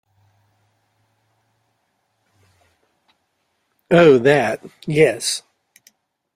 Oh, that, yes.